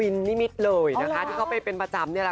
นิมิตรเลยนะคะที่เขาไปเป็นประจำนี่แหละ